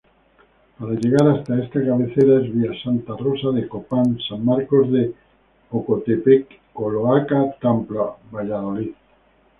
Para llegar hasta esta cabecera es vía Santa Rosa de Copán-San Marcos de Ocotepeque-Cololaca-Tambla-Valladolid.